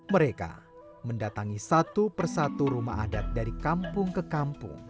mereka mendatangi satu persatu rumah adat dari kampung ke kampung